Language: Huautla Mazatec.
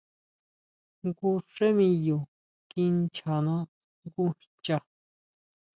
Jngu xé miyo kinchana nguxcha.